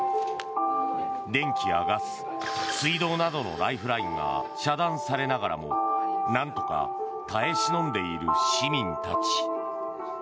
電気やガス水道などのライフラインが遮断されながらも何とか耐え忍んでいる市民たち。